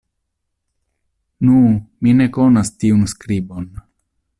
Nu! mi ne konas tiun skribon!